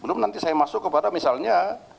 belum nanti saya masuk kepada misalnya